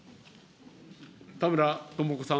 田村智子さん。